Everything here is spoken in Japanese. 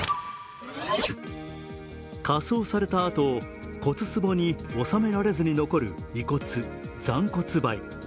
火葬されたあと骨つぼに納めされずに遺骨＝残骨灰。